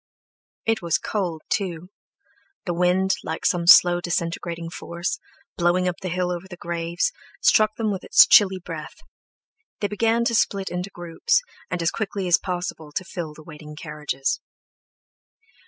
It was cold, too; the wind, like some slow, disintegrating force, blowing up the hill over the graves, struck them with its chilly breath; they began to split into groups, and as quickly as possible to fill the waiting carriages.